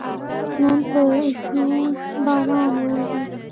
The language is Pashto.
نن په ژوژ باران ووري